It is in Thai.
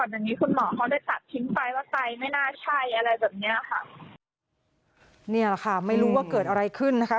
เนี่ยแหละค่ะไม่รู้ว่าเกิดอะไรขึ้นนะคะ